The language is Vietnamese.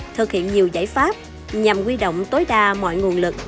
thực hiện nhiều giải pháp nhằm quy động tối đa mọi nguồn lực